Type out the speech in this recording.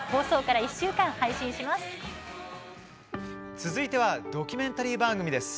続いてはドキュメンタリー番組です。